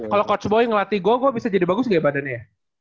kalau coach boy ngelatih gol gue bisa jadi bagus gak ya badannya